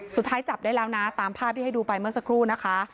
สุดท้ายจับได้แล้วนะตามภาพที่ให้ดูไปเมื่อสักครู่นะคะ